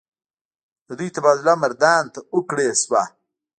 د دوي تبادله مردان ته اوکړے شوه ۔